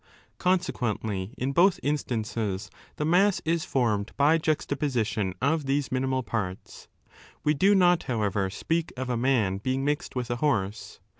Consequently, in both instances the mass is formed by juxtaposition of these minimal parts. We do not, however, speak of a 20 man being mixed with a horse.